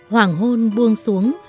hoàng hôn buông xuống